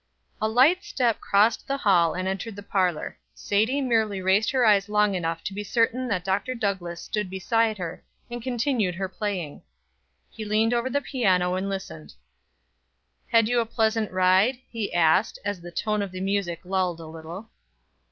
A light step crossed the hall and entered the parlor. Sadie merely raised her eyes long enough to be certain that Dr. Douglass stood beside her, and continued her playing. He leaned over the piano and listened. "Had you a pleasant ride?" he asked, as the tone of the music lulled a little.